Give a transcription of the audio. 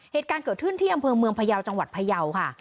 เหตุการณ์เกิดขึ้นที่อำเภอเมืองพยาวจังหวัดพยาวค่ะ